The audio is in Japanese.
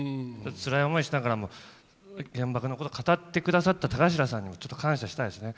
つらい思いしながらも原爆のこと語って下さった田頭さんにもちょっと感謝したいですね。